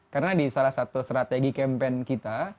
karena di salah satu strategi campaign kita